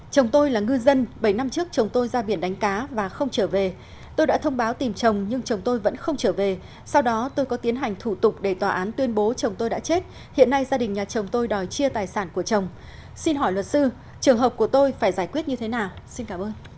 chồng tôi là ngư dân bảy năm trước chồng tôi ra biển đánh cá và không trở về tôi đã thông báo tìm chồng nhưng chồng tôi vẫn không trở về sau đó tôi có tiến hành thủ tục để tòa án tuyên bố chồng tôi đã chết hiện nay gia đình nhà chồng tôi đòi chia tài sản của chồng xin hỏi luật sư trường hợp của tôi phải giải quyết như thế nào xin cảm ơn